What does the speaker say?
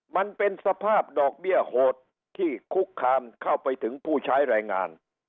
มันเป็นสภาพดอกเบี้ยโหดที่คุกคามเข้าไปถึงผู้ใช้แรงงาน